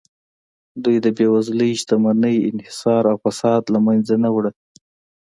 دوی د بېوزلۍ، شتمنۍ انحصار او فساد له منځه نه وړه